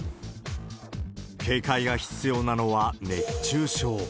警戒が必要なのは熱中症。